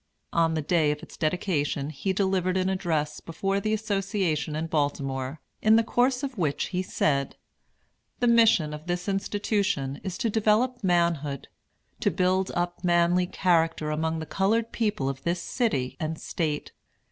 On the day of its dedication he delivered an address before the association in Baltimore, in the course of which he said: "The mission of this institution is to develop manhood; to build up manly character among the colored people of this city and State.